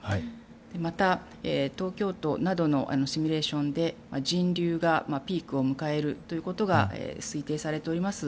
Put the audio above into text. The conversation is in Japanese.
また、東京都などのシミュレーションで人流がピークを迎えることが推定されております